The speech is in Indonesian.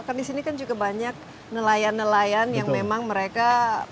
kan di sini kan juga banyak nelayan nelayan yang memang mereka